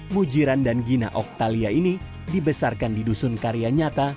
mujiran dan gina oktalia ini dibesarkan di dusun karya nyata